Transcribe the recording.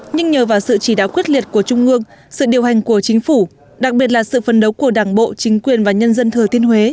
nhưng nhờ vào sự chỉ đạo quyết liệt của trung ương sự điều hành của chính phủ đặc biệt là sự phấn đấu của đảng bộ chính quyền và nhân dân thừa thiên huế